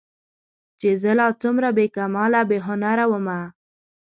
چې زه لا څومره بې کماله بې هنره ومه